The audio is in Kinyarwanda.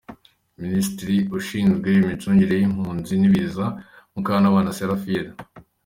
Minisitiri Ushinzwe Imicungire y’Impunzi n’Ibiza: Mukantabana Seraphine.